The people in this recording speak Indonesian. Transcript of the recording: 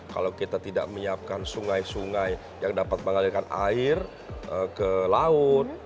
kalau kita tidak menyiapkan sungai sungai yang dapat mengalirkan air ke laut